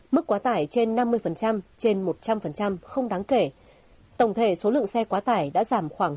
bức quá tải trên năm mươi trên một trăm linh không đáng kể tổng thể số lượng xe quá tải đã giảm khoảng chín mươi một năm